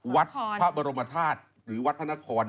วัดภาบรมทาศหรือวัดพระนครถ์